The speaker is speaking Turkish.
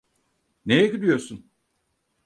Neye gülüyorsun?